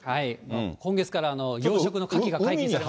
今月から養殖のカキが解禁されましたよ。